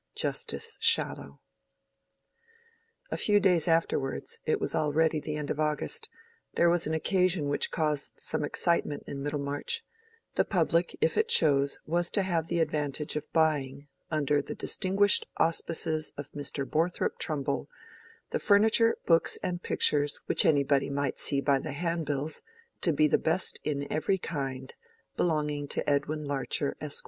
—Justice Shallow. A few days afterwards—it was already the end of August—there was an occasion which caused some excitement in Middlemarch: the public, if it chose, was to have the advantage of buying, under the distinguished auspices of Mr. Borthrop Trumbull, the furniture, books, and pictures which anybody might see by the handbills to be the best in every kind, belonging to Edwin Larcher, Esq.